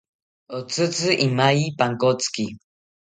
Otzitzi imaye pankotziki